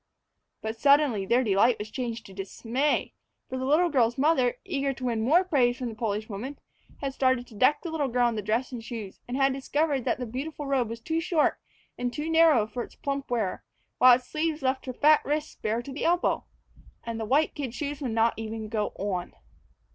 But suddenly their delight was changed to dismay. For the little girl's mother, eager to win more praise from the Polish woman, had started to deck the little girl in the dress and shoes, and had discovered that the beautiful robe was too short and too narrow for its plump wearer, while its sleeves left her fat wrists bare to the elbow. And the white kid shoes would not even go on!